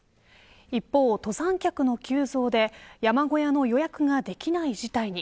一方、登山客の急増で山小屋の予約ができない事態に。